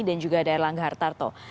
dan juga dari langga hartarto